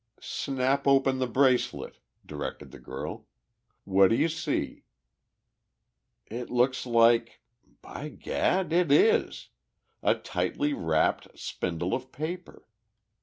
"Snap open the bracelet," directed the girl. "What do you see?" "It looks like by gad! it is! a tightly wrapped spindle of paper!"